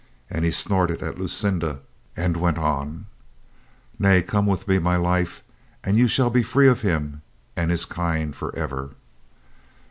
and he snorted at Lucinda and went on: Nay, come with me, my life, and you shall be free of him and his kind for ever.